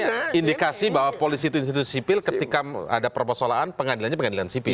jadi itu berarti bahwa polisi itu institusi sipil ketika ada persoalan pengadilannya pengadilan sipil